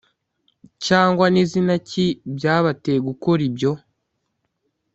cyangwa ni zina ki byabateye gukora ibyo